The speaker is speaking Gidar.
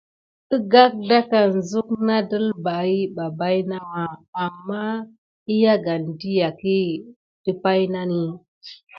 Əgagdakane zuk na dəlbahə ɓa baïnawa, amma əyagane dʼəyagkəhi də paynane.